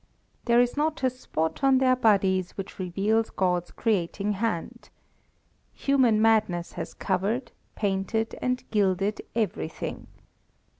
There is not a spot on their bodies which reveals God's creating hand. Human madness has covered, painted, and gilded everything.